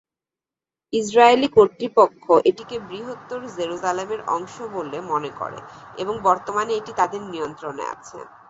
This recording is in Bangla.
ইসরায়েলি কর্তৃপক্ষ এটিকে বৃহত্তর জেরুজালেমের অংশ বলে মনে করে এবং বর্তমানে এটি তাদের নিয়ন্ত্রণে আছে।